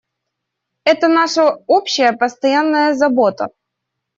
Это наша общая постоянная забота.